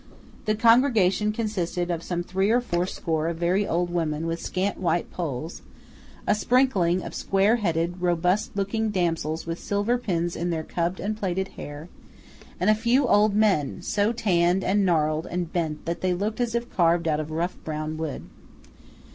The congregation consisted of some three or four score of very old women with scant white polls; a sprinkling of square headed robust looking damsels with silver pins in their clubbed and plaited hair; and a few old men, so tanned and gnarled and bent that they looked as if carved out of rough brown wood.